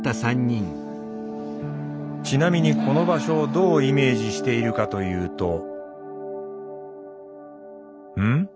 ちなみにこの場所をどうイメージしているかというとん？